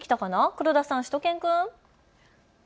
黒田さん、しゅと犬くん。